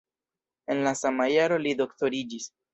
En la sama jaro li doktoriĝis.